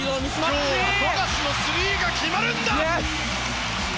今日は富樫のスリーが決まるんだ！